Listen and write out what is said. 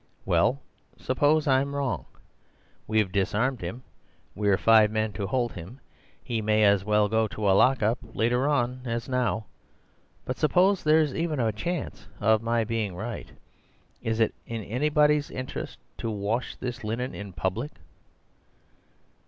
Well, suppose I'm wrong. We've disarmed him; we're five men to hold him; he may as well go to a lock up later on as now. But suppose there's even a chance of my being right. Is it anybody's interest here to wash this linen in public?